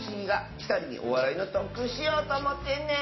ふたりにおわらいのとっくんしようとおもってんねん！